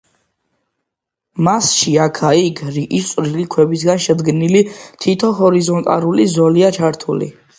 მასში, აქა-იქ, რიყის წვრილი ქვებისგან შედგენილი თითო ჰორიზონტალური ზოლია ჩართული.